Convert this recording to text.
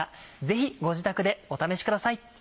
ぜひご自宅でお試しください。